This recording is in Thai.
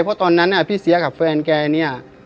เพราะตอนนั้นพี่เสี้ยกับแฟนแก